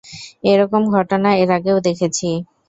এরকম ঘটনা এর আগেও দেখেছি!